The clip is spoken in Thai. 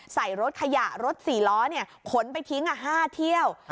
ใส่รถขยะรถ๔ล้อเนี่ยขนไปทิ้ง๕เที่ยว